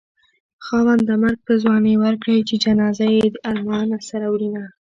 خاونده مرګ په ځوانۍ ورکړې چې جنازه يې د ارمانه سره وړينه